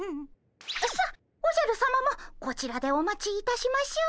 さあおじゃるさまもこちらでお待ちいたしましょう。